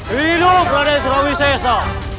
ridu raden surawisesa